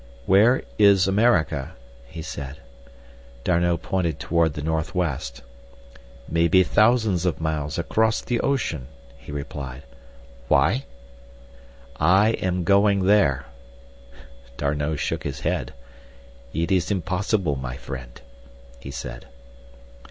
"Where is America?" he said. D'Arnot pointed toward the northwest. "Many thousands of miles across the ocean," he replied. "Why?" "I am going there." D'Arnot shook his head. "It is impossible, my friend," he said.